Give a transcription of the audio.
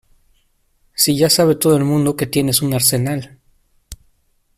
si ya sabe todo el mundo que tienes un arsenal.